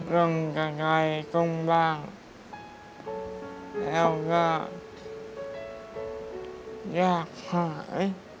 คุณก็ได้คุณบ้างแล้วก็อยากหาย